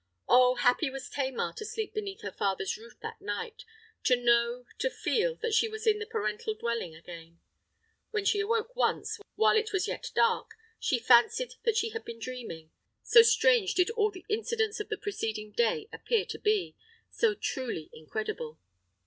Oh! happy was Tamar to sleep beneath her father's roof that night—to know, to feel that she was in the parental dwelling again! When she awoke once, while it was yet dark, she fancied that she had been dreaming—so strange did all the incidents of the preceding day appear to be—so truly incredible!